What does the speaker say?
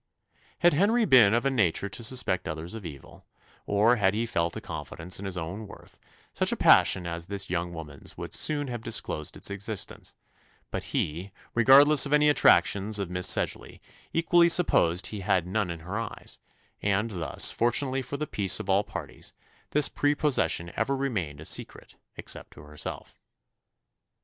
Had Henry been of a nature to suspect others of evil, or had he felt a confidence in his own worth, such a passion as this young woman's would soon have disclosed its existence: but he, regardless of any attractions of Miss Sedgeley, equally supposed he had none in her eyes; and thus, fortunately for the peace of all parties, this prepossession ever remained a secret except to herself.